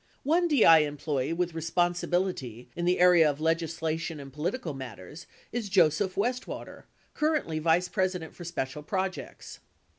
One DI employee with responsibility in the area of legislation and political matters is Joseph Westwater, currently vice president for special projects.